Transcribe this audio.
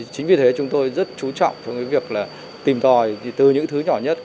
chính vì thế chúng tôi rất chú trọng trong việc tìm tòi từ những thứ nhỏ nhất